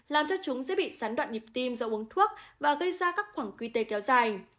làm cho chúng dễ bị gián đoạn nhịp tim do uống thuốc và gây ra các khoảng quy tê kéo dài